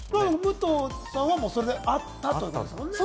武藤さんはあったってことですもんね。